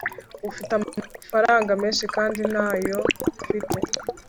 ufite amafaranga menshi, kandi ntayo mfite